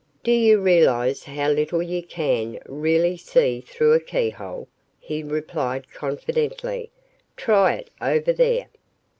"Do you realize how little you can really see through a key hole?" he replied confidently. "Try it over there."